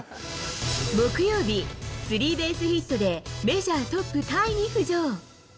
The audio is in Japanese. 木曜日、スリーベースヒットでメジャートップタイに浮上。